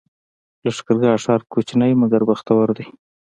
لښکرګاه ښار کوچنی مګر بختور دی